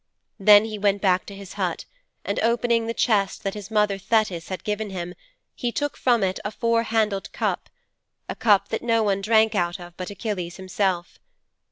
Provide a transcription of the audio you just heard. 'Then he went back to his hut and opening the chest that his mother, Thetis, had given him he took from it a four handled cup a cup that no one drank out of but Achilles himself.